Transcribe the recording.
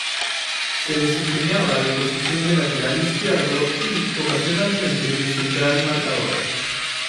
Se desempeñaba en la posición de lateral izquierdo, y, ocasionalmente, de central marcador.